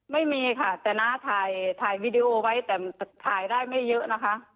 ไม่มีค่ะแต่น้าถ่ายวีดีโอไว้แต่ถ่ายได้ไม่เยอะนะคะ